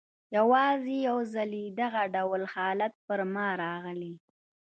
یوازي یو ځلې دغه ډول حالت پر ما راغلی.